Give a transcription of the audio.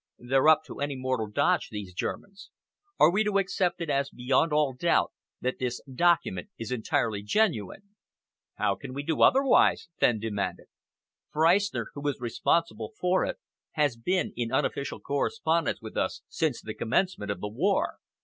"They're up to any mortal dodge, these Germans. Are we to accept it as beyond all doubt that this document is entirely genuine?" "How can we do otherwise?" Fenn demanded. "Freistner, who is responsible for it, has been in unofficial correspondence with us since the commencement of the war.